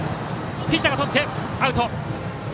ピッチャーがとってアウト。